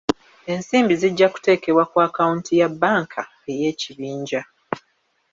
Ensimbi zijja kuteekebwa ku akawanti ya banka ey'ekibinja.